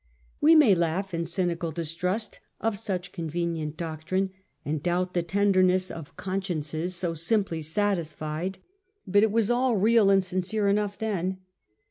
We may laugh in cynical distrust of such convenient doctrine, and doubt the tenderness of consciences so simply satis fied ; but it was all real and sincere enough then.